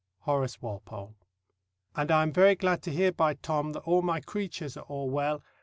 HORACE WALPOLE. and I am very glad to hear by Tom that all my cruatuars are all wall.